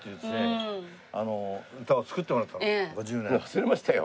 忘れましたよ。